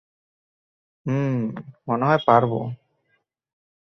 হুম, মনে হয়, পারবো।